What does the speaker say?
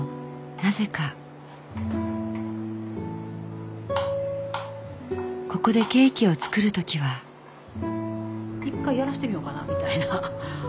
なぜかここでケーキを作る時は一回やらしてみようかなみたいな。